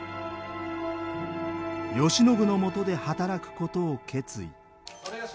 慶喜のもとで働くことを決意。